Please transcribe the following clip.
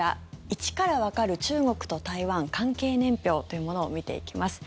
一からわかる中国と台湾関係年表というものを見ていきます。